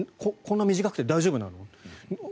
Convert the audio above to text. こんな短くて大丈夫なの？